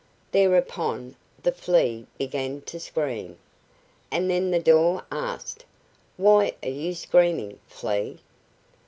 Thereupon the Flea began to scream. And then the door asked: "Why are you screaming, Flea?"